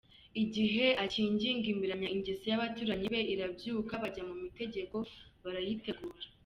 Igihe akigingimiranya ingeso y’abaturanyi be irabyuka; bajya mu mitego barayitegura.